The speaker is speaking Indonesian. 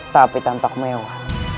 tapi tampak mewah